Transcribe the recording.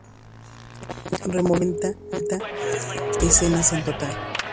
Removieron cuarenta escenas en total.